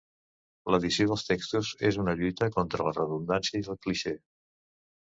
L'edició dels textos és una lluita contra la redundància i el clixé.